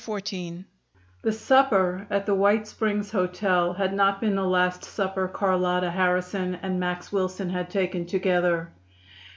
CHAPTER XIV The supper at the White Springs Hotel had not been the last supper Carlotta Harrison and Max Wilson had taken together.